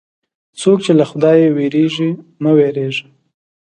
څوک چې له خدایه وېرېږي، مه وېرېږه.